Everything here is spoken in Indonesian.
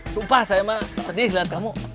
sumpah saya mah sedih melihat kamu